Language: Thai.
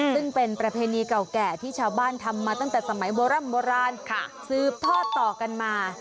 ซึ่งเป็นประเพณีเก่าแก่ที่ชาวบ้านทำมาตั้งแต่สมัยโบร่ำโบราณสืบทอดต่อกันมา